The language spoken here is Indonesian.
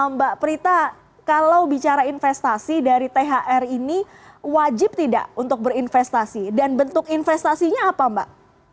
mbak prita kalau bicara investasi dari thr ini wajib tidak untuk berinvestasi dan bentuk investasinya apa mbak